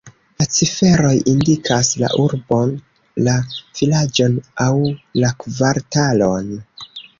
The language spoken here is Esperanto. La ciferoj indikas la urbon, la vilaĝon aŭ la kvartalon.